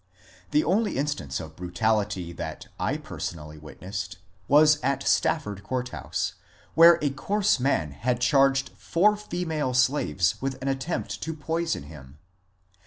The only instance of brutal ity that I personally witnessed was at Stafford Court House, where a coarse man had charged four female slaves with an attempt to poison him.